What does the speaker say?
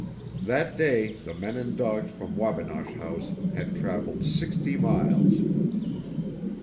That day the men and dogs from Wabinosh House had traveled sixty miles.